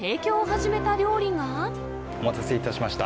お待たせいたしました。